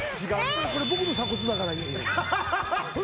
これ僕の鎖骨だから言うねん。